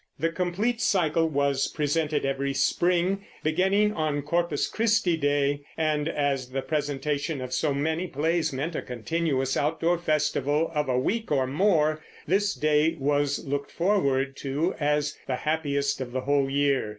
The complete cycle was presented every spring, beginning on Corpus Christi day; and as the presentation of so many plays meant a continuous outdoor festival of a week or more, this day was looked forward to as the happiest of the whole year.